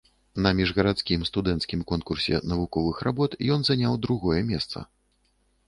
На міжгарадскім студэнцкім конкурсе навуковых работ ён заняў другое месца.